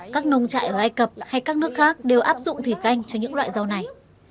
các nông trại ở ai cập hay các nước khác đều áp dụng thủy canh cho những loại rau này